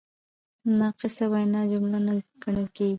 ناقصه وینا جمله نه ګڼل کیږي.